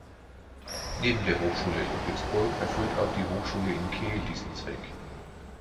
Neben der Hochschule Ludwigsburg erfüllt auch die Hochschule in Kehl diesen Zweck.